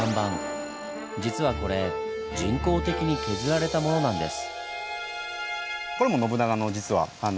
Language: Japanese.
実はこれ人工的に削られたものなんです。